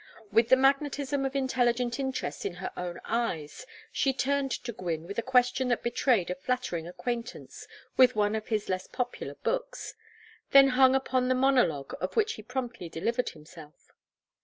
With the magnetism of intelligent interest in her own eyes, she turned to Gwynne with a question that betrayed a flattering acquaintance with one of his less popular books, then hung upon the monologue of which he promptly delivered himself.